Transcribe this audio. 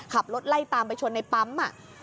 ขับรถไล่ตามไปชนในปั๊ม